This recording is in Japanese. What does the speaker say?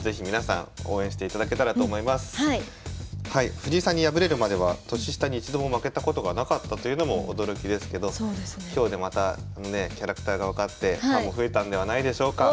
藤井さんに敗れるまでは年下に一度も負けたことがなかったというのも驚きですけど今日でまたねキャラクターが分かってファンも増えたんではないでしょうか。